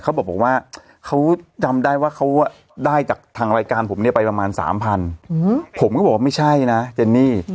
เขาบอกว่าเขาจำได้ว่าเขาได้จากทางรายการผมเนี่ยไปประมาณ๓๐๐ผมก็บอกว่าไม่ใช่นะเจนนี่